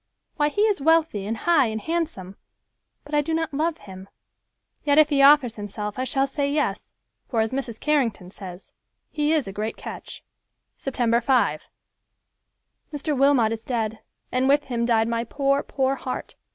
Why, he is wealthy, and high, and handsome—but I do not love him; yet if he offers himself I shall say yes, for, as Mrs. Carrington says, 'he is a great catch.'" Sept. 5—"Mr. Wilmot is dead, and with him died my poor, poor heart.